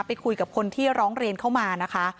ไปคุยกับคนที่ร้องเรียนเข้ามานะคะ